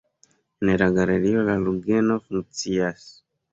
En la galerio la orgeno funkcias.